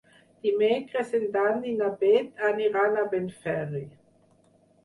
Dimecres en Dan i na Bet aniran a Benferri.